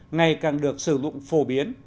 ngày càng được sử dụng phổ biến